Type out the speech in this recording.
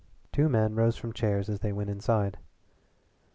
Two men rose from chairs as they went inside.